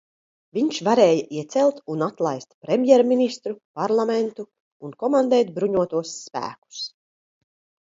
Viņš varēja iecelt un atlaist premjerministru, parlamentu un komandēt bruņotos spēkus.